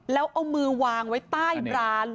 แล้วเอามือวางไว้ใต้ร้าน